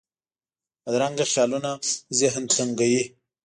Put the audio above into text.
بدرنګه خیالونه ذهن تنګوي